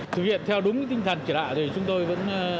thực hiện theo đúng tinh thần chỉ đạo thì chúng tôi vẫn